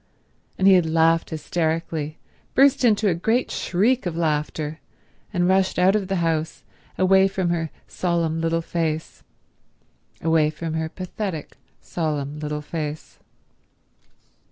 And he had laughed hysterically, burst into a great shriek of laughter, and rushed out of the house, away from her solemn little face—away from her pathetic, solemn little face.